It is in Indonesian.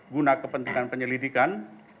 guna kepentingan penyelidikan